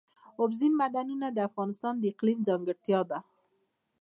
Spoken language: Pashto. اوبزین معدنونه د افغانستان د اقلیم ځانګړتیا ده.